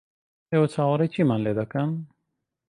ئێوە چاوەڕێی چیمان لێ دەکەن؟